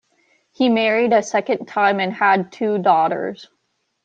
He married a second time and had two daughters.